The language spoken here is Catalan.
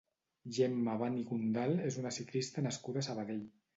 Gemma Abant i Condal és una ciclista nascuda a Sabadell.